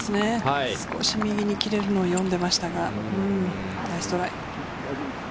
少し右に切れるのを読んでいましたが、ナイストライ。